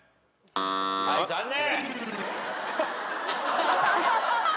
はい残念！